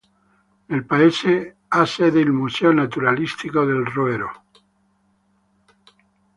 Nel paese ha sede il museo naturalistico del Roero.